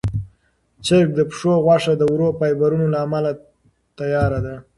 چرګ د پښو غوښه د ورو فایبرونو له امله تیاره ده.